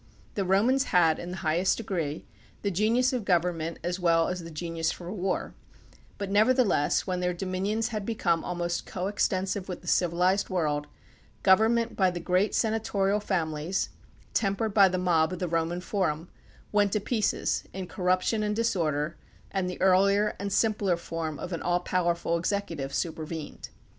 The Romans had in the highest degree the genius of government as well as the genius for war, but never theless when their dominions had become almost coextensive with the civilized world, government by the great senatorial families, tempered by the mob of the Roman Forum, went to pieces in corruption and disorder and the earlier and simpler form of an all powerful executive supervened.